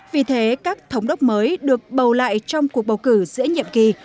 vì thế các thống đốc mới được bầu lại trong cuộc bầu cử giữa nhiệm kỳ